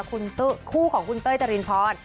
คุณตุ๊กคู่ของคุณเต้ยเจรินพร